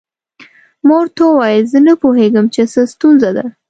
ما ورته وویل زه نه پوهیږم چې څه ستونزه ده.